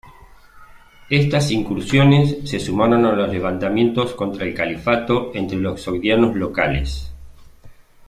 Estas incursiones se sumaron a los levantamientos contra el Califato entre los sogdianos locales.